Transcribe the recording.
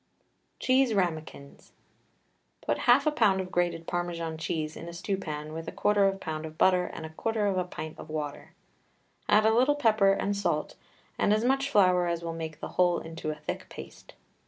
CHEESE RAMEQUINS. Put half a pound of grated Parmesan cheese in a stew pan with a quarter of a pound of butter and a quarter of a pint of water; add a little pepper and salt, and as much flour as will make the whole into a thick paste.